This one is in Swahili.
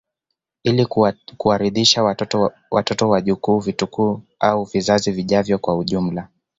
Ili kuwarithisha watoto wajukuu vitukuu au vizazi vijavyo kwa ujumla